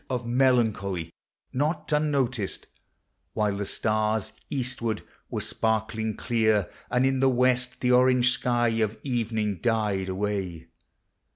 Of melancholy, not unnoticed; while the stars, Eastward, were sparkling clear, and in the w r est The orange sky of evening died away.